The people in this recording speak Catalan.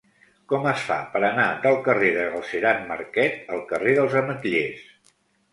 Com es fa per anar del carrer de Galceran Marquet al carrer dels Ametllers?